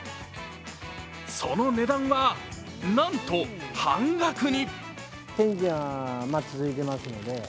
その値段は、なんと半額に。